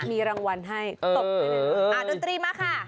มีรางวัลให้ตบดนตรีมาค่ะ